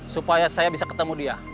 supaya saya bisa ketemu dia